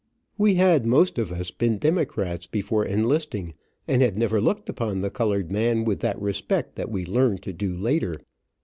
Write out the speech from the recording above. We had most of us been Democrats before enlisting, and had never looked upon the colored man with that respect that we learned to do, later.